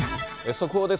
速報です。